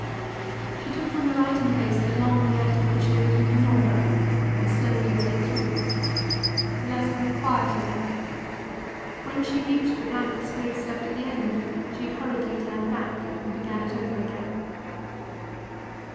She took from the writing case the long letter which she had written to Norah, and slowly read it through. The letter quieted her. When she reached the blank space left at the end, she hurriedly turned back and began it over again.